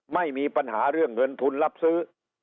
ไม่มีปัญหาเรื่องเงินทุนรับซื้อ